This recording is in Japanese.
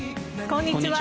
こんにちは。